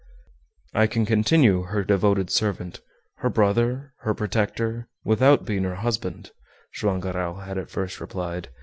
"I can continue her devoted servant, her brother, her protector, without being her husband," Joam Garral had at first replied.